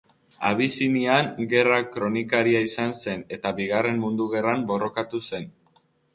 Abisinian gerra-kronikaria izan zen, eta Bigarren Mundu Gerran borrokatu zen.